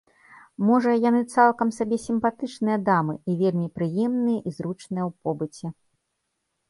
Можа, яны цалкам сабе сімпатычныя дамы і вельмі прыемныя і зручныя ў побыце.